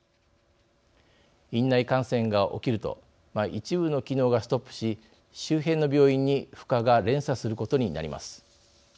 院内感染が起きると一部の機能がストップし周辺の病院に負荷が連鎖することになります。